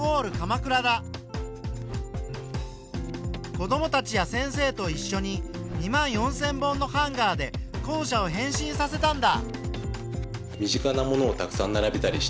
子どもたちや先生と一しょに２万４，０００本のハンガーで校舎を変身させたんだ。